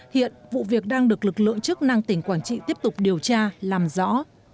hiện vụ việc đang được lực lượng chức năng tỉnh quảng trị tiếp tục điều tra làm rõ